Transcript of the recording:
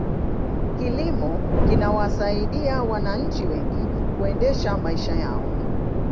kilimo kinawasaidia wananchi wengi kuendesha maisha yao